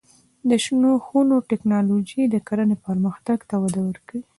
د شنو خونو تکنالوژي د کرنې پرمختګ ته وده ورکوي.